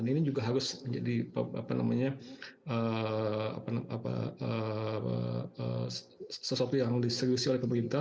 ini juga harus menjadi sesuatu yang diseluruhi oleh pemerintah